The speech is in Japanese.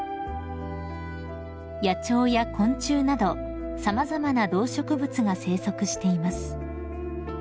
［野鳥や昆虫などさまざまな動植物が生息しています］